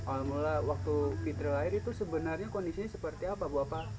awal mula waktu fitri lahir itu sebenarnya kondisinya seperti apa bapak